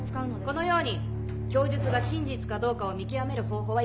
このように供述が真実かどうかを見極める方法はいくつかあります。